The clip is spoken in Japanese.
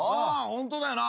ホントだよな。